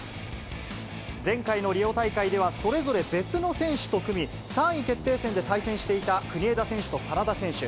前回のリオ大会では、それぞれ別の選手と組み、３位決定戦で対戦していた国枝選手と眞田選手。